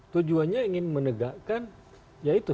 tujuannya ingin menegakkan ya itu